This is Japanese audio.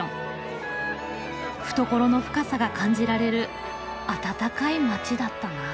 懐の深さが感じられる温かい街だったなあ。